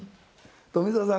富澤さん